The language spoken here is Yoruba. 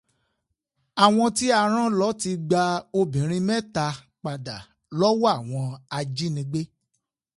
Àwọn tí a rán lọ ti gba obìnrin mẹ́ta padà lọ́wọ́ àwọn ajínigbé